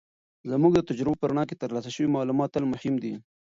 زموږ د تجربو په رڼا کې، ترلاسه شوي معلومات تل مهم دي.